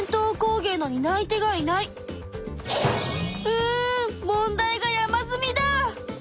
うん問題が山積みだ！